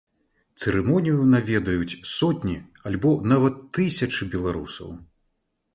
Цырымонію наведаюць сотні альбо нават тысячы беларусаў.